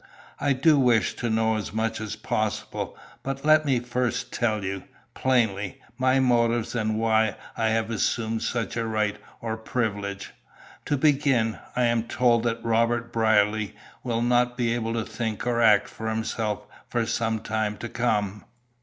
I do wish to know as much as possible, but let me first tell you, plainly, my motives and why I have assumed such a right or privilege. To begin, I am told that Robert Brierly will not be able to think or act for himself for some time to come."